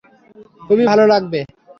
খুবই ভাল লাগবে।